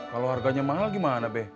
kalau harganya mahal gimana be